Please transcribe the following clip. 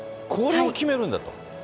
これを決めるんだと。